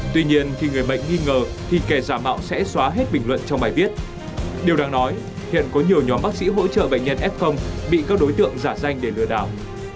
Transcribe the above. tuy nhiên khi người bệnh nghi ngờ thì kẻ giả mạo sẽ xóa hết bình luận trong bài viết điều đáng nói hiện có nhiều nhóm bác sĩ hỗ trợ bệnh nhân f bị các đối tượng giả danh để lừa đảo